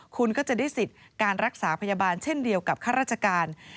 คุณก็จะได้สิทธิ์การรักษาพยาบาลเช่นเดียวกับข้าราชการ